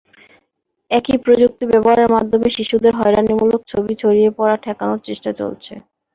একই প্রযুক্তি ব্যবহারের মাধ্যমে শিশুদের হয়রানিমূলক ছবি ছড়িয়ে পড়া ঠেকানোর চেষ্টা চলছে।